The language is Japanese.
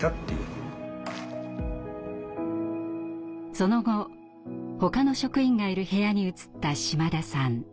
その後ほかの職員がいる部屋に移った島田さん。